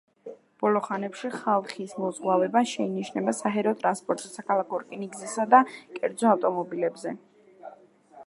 ბოლო ხანებში ხალხის მოზღვავება შეინიშნება საჰაერო ტრანსპორტზე, საქალაქო რკინიგზასა და კერძო ავტომობილებზე.